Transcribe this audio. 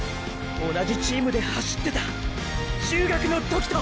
同じチームで走ってた中学の時と！！